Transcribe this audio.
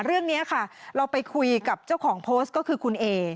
เรื่องนี้ค่ะเราไปคุยกับเจ้าของโพสต์ก็คือคุณเอ